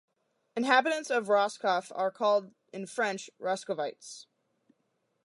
Inhabitants of Roscoff are called in French "Roscovites".